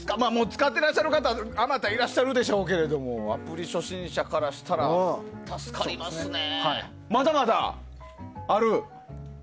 使ってらっしゃる方は数多いらっしゃるでしょうけどアプリ初心者からしたら助かりますね。